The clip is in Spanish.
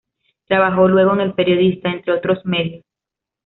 Trabajó luego en "El Periodista", entre otros medios.